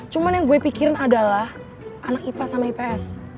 cuma yang gue pikirin adalah anak ipa sama ips